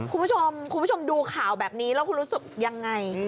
คุณผู้ชมดูข่าวแบบนี้แล้วคุณรู้สึกยังไง